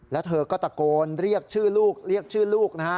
แล้วเธอก็ตะโกนเรียกชื่อลูกเรียกชื่อลูกนะฮะ